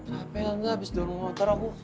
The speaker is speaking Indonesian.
capek gak abis dorong motor aku